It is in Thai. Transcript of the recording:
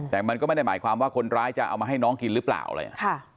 แต่มันก็ไม่ได้หมายความว่าคนร้ายจะเอามาให้น้องกินหรือเปล่าอะไรอย่างนี้